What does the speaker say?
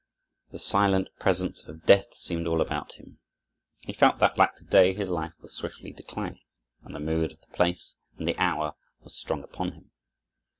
The silent presence of Death seemed all about him. He felt that, like the day, his life was swiftly declining, and the mood of the place and the hour was strong upon him.